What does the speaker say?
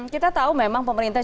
kita tahu memang pemerintah